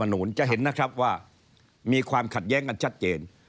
หนูจะเห็นนะครับว่ามีความขัดแย้งกันชัดเจน